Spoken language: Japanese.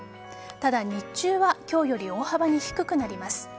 ただ日中は今日より大幅に低くなります。